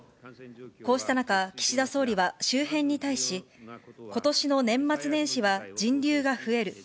こうした中、岸田総理は周辺に対し、ことしの年末年始は人流が増える。